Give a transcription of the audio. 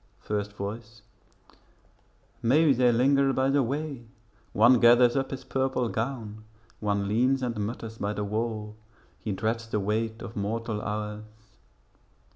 First Voice Maybe they linger by the way; One gathers up his purple gown; One leans and mutters by the wall; He dreads the weight of mortal hours.